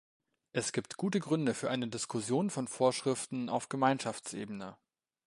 Es gibt gute Gründe für eine Diskussion von Vorschriften auf Gemeinschaftsebene.